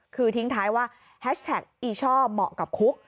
คือทิ้งท้ายว่าแฮชแท็กอีช่อเหมาะกับคุก